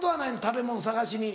食べ物探しに。